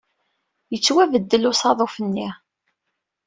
Yettwabeddel usaḍuf-nni.